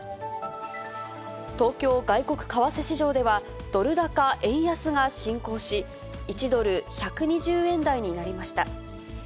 東京外国為替市場では、ドル高円安が進行し、１ドル１２０円台になりました。